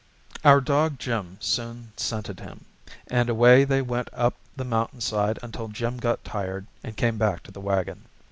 ] Our dog Jim soon scented him, and away they went up the mountain side until Jim got tired and came back to the wagon.